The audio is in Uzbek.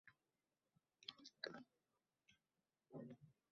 Tibbiy ko‘rik — sog‘lom kelajak